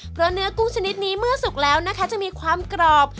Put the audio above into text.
เพราะเนื้อกุ้งชนิดนี้เมื่อสุกแล้วนะคะจะมีความกรอบ